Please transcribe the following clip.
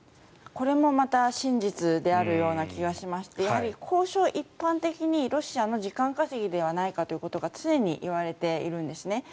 これもまた真実であるような気がしまして交渉は一般的にロシアの時間稼ぎじゃないかということが常に言われているんですね。